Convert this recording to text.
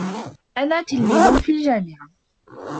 أنا تلميذ في جامعة.